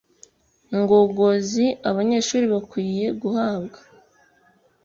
ngogozi. Abanyeshuri bakwiriye guhabwa